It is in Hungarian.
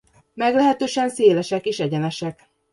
Meglehetősen szélesek és egyenesek.